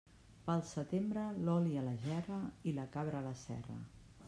Pel setembre, l'oli a la gerra i la cabra a la serra.